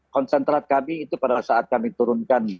konsentrat kami itu pada saat kami turunkan